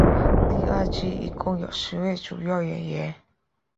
第二季一共有十位主要演员。